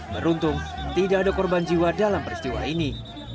beruntung tidak ada korban jiwa dalam peristiwa ini